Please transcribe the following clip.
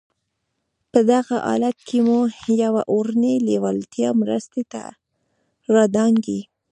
په دغه حالت کې مو يوه اورنۍ لېوالتیا مرستې ته را دانګي.